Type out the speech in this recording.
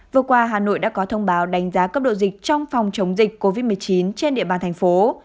vừa qua hà nội đã có thông báo đánh giá cấp độ dịch trong phòng chống dịch covid một mươi chín trên địa bàn thành phố